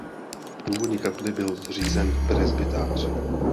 V původní kapli byl zřízen presbytář.